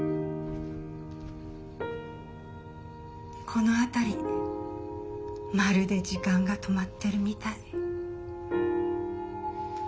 この辺りまるで時間が止まってるみたい。